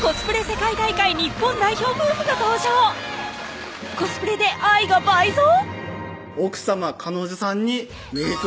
世界大会日本代表夫婦が登場コスプレで愛が倍増？